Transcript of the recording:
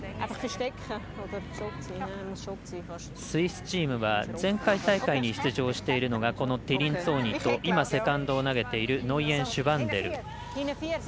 スイスチームは前回大会に出場しているのがこのティリンツォーニとセカンドを投げているノイエンシュバンデル。